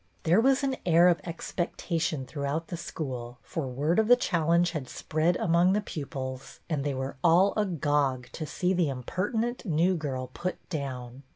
There was an air of expectation through out the school, for word of the challenge had spread among the pupils and they were all agog to see the impertinent "new girl " put down.